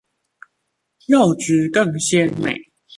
肉質更鮮美